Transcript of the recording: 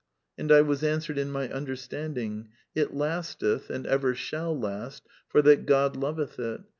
And I was answered in my understanding: It lasteth, and ever shall (last) for that God loveth it.